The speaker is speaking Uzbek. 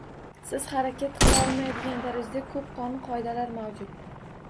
Siz harakat qila olmaydigan darajada koʻp qonun-qoidalar mavjud.